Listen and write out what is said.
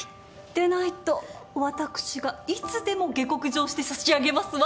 でないと私がいつでも下克上して差し上げますわ。